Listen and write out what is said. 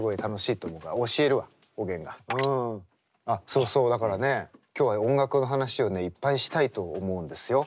そうそうだからね今日は音楽の話をねいっぱいしたいと思うんですよ。